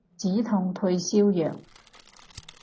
止痛退燒藥